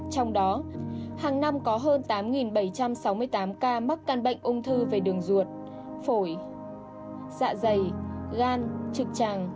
trong đó hàng năm có hơn tám bảy trăm sáu mươi tám ca mắc căn bệnh ung thư về đường ruột phổi dạ dày gan trực tràng